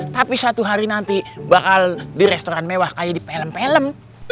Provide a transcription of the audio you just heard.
tapi satu hari nanti baral di restoran mewah kayak di pelem pelem